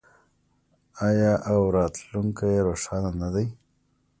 آیا او راتلونکی یې روښانه نه دی؟